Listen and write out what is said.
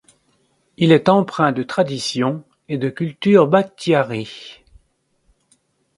Il est empreint de traditions et de culture bakhtiari.